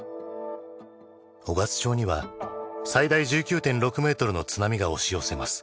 雄勝町には最大１９．６メートルの津波が押し寄せます。